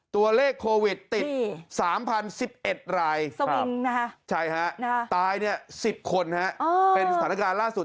ตัวเลขโควิดติด๓๐๑๑รายสวิงตาย๑๐คนเป็นสถานการณ์ล่าสุด